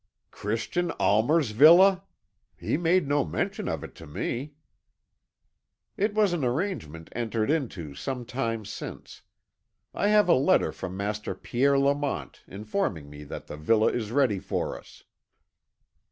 "Christian Almer's villa! He made no mention of it to me." "It was an arrangement entered into some time since. I have a letter from Master Pierre Lamont informing me that the villa is ready for us."